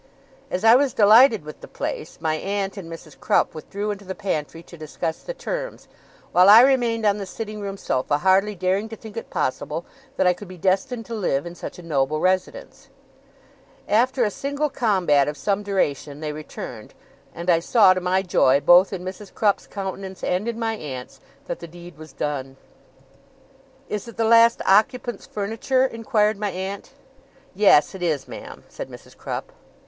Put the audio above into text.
As I was delighted with the place, my aunt and Mrs. Crupp withdrew into the pantry to discuss the terms, while I remained on the sitting room sofa, hardly daring to think it possible that I could be destined to live in such a noble residence. After a single combat of some duration they returned, and I saw, to my joy, both in Mrs. Crupp's countenance and in my aunt's, that the deed was done. 'Is it the last occupant's furniture?' inquired my aunt. 'Yes, it is, ma'am,' said Mrs. Crupp.